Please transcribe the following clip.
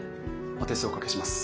お手数おかけします。